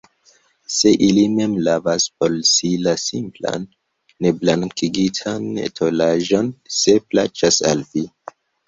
Sed ili mem lavas por si la simplan, neblankigitan tolaĵon, se plaĉas al vi.